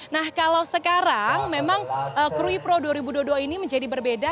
nah kalau sekarang memang kruid pro dua ribu dua puluh dua ini menjadi berbeda